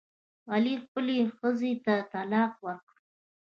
علي خپلې ښځې ته طلاق ورکړ.